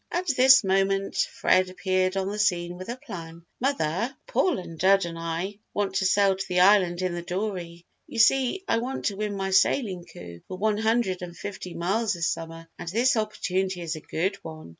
At this moment Fred appeared on the scene with a plan. "Mother, Paul and Dud and I want to sail to the Island in the dory. You see, I want to win my sailing coup for one hundred and fifty miles this summer, and this opportunity is a good one."